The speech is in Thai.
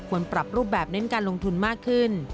ปรับรูปแบบเน้นการลงทุนมากขึ้น